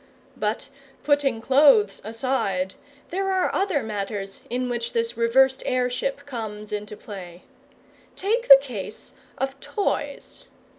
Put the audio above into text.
But, putting clothes aside, there are other matters in which this reversed heirship comes into play. Take the case of Toys.